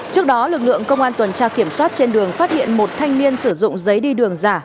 trước đó lực lượng công an tp hcm phát hiện một thanh niên sử dụng giấy đi đường giả